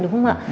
đúng không ạ